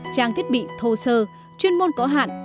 trang thiết bị thô sơ chuyên môn có hạn